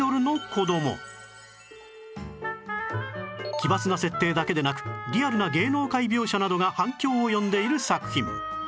奇抜な設定だけでなくリアルな芸能界描写などが反響を呼んでいる作品